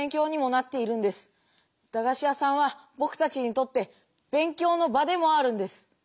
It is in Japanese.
だがし屋さんはぼくたちにとって勉強の場でもあるんです。